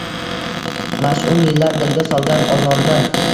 Mash’um yillar dilga solgan ozoridan